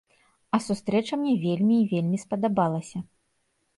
А сустрэча мне вельмі і вельмі спадабалася.